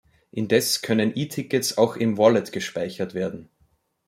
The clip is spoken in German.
Indes können E-Tickets auch in Wallet gespeichert werden.